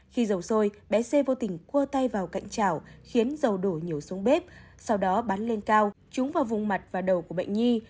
khi dầu xôi bé xe vô tình cua tay vào cạnh chảo khiến dầu đổ nhiều xuống bếp sau đó bán lên cao trúng vào vùng mặt và đầu của bệnh nhi